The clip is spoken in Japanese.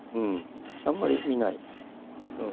あんまり見ないうん。